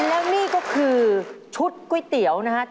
และนี่ก็คือชุดกุ้ยเตี๋ยวนะฮะ